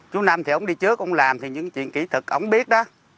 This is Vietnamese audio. chú nam thì ông đi trước ông làm thì những chuyện kỹ thuật ông biết đó